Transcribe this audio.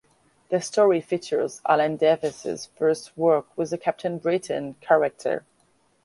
The story features Alan Davis's first work with the Captain Britain character.